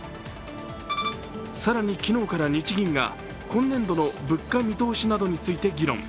更に、昨日から日銀が今年度の物価見通しなどについて議論。